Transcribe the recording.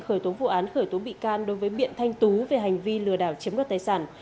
khởi tố vụ án khởi tố bị can đối với biện thanh tú về hành vi lừa đảo chiếm đoạt tài sản